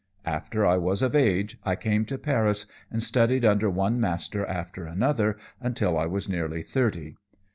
After I was of age, I came to Paris and studied under one master after another until I was nearly thirty.